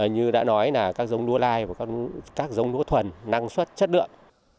như đã nói là các dông lúa lai và các dông lúa thuần năng suất chất lượng